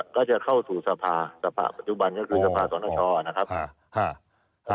ก็จะเข้าสู่สภาสภาปัจจุบันก็คือสภาสนชนะครับ